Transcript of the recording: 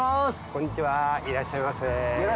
こんにちはいらっしゃいませ。